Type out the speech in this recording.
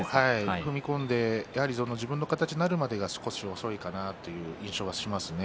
踏み込んで自分の形になるまでが少し遅いかなという印象がしますね。